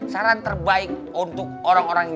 saran terbaik untuk orang orang yang